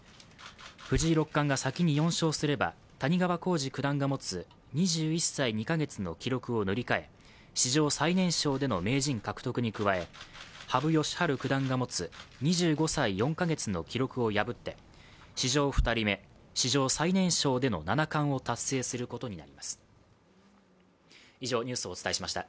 藤井六冠が先に４勝すれば谷川浩司九段が持つ２１歳２か月の記録を塗り替え史上最年少での名人獲得に加え、羽生善治九段が持つ２５歳４か月の記録を破って史上２人目、史上最年少での七冠を達成することになります。